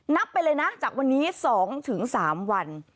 นับไปเลยนะจากวันนี้๒๓วัน